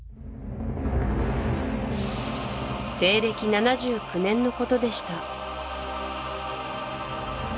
西暦７９年のことでした